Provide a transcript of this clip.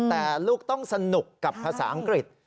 แต่ลูกต้องสนุกกับภาษาอังกฤษ